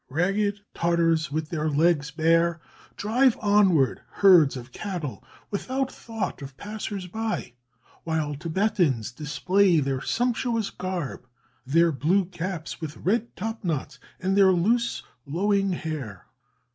"Ragged Tartars, with their legs bare, drive onward herds of cattle, without thought of passers by; while Tibetans display their sumptuous garb, their blue caps with red top knots, and their loose lowing hair.